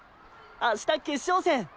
明日決勝戦。